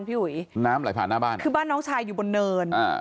พี่อุ๋ยน้ำไหลผ่านหน้าบ้านคือบ้านน้องชายอยู่บนเนินอ่า